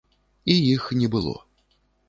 І іх не было.